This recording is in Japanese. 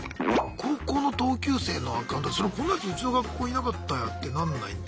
高校の同級生のアカウントそれこんなやつうちの学校いなかったやってなんないんだ？